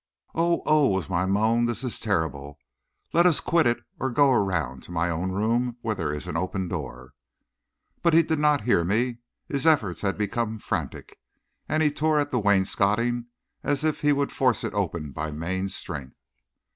"Oh, oh!" was my moan; "this is terrible! Let us quit it or go around to my own room, where there is an open door." But he did not hear me. His efforts had become frantic, and he tore at the wainscoting as if he would force it open by main strength.